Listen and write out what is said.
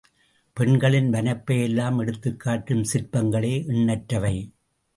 பெண்களின் வனப்பை எல்லாம் எடுத்துக் காட்டும் சிற்பங்களே எண்ணற்றவை.